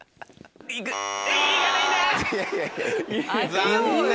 残念。